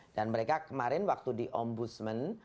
dan mereka kemarin waktu di ombudsman